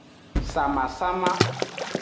Samasama.